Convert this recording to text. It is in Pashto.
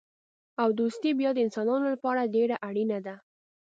او دوستي بیا د انسانانو لپاره ډېره اړینه ده.